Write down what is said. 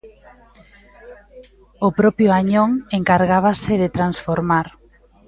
O propio Añón encargábase de transformar.